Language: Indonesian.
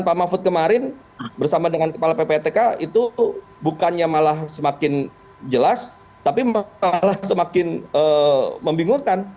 pak mahfud kemarin bersama dengan kepala ppatk itu bukannya malah semakin jelas tapi malah semakin membingungkan